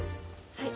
はい。